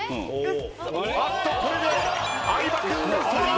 あっとこれで相葉君が揃う。